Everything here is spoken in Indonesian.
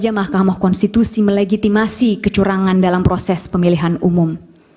maka sama saja mahkamah konstitusi melegitimasi kecurangan dalam proses pemilihan umum